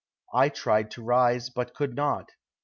I tried to rise, but could not.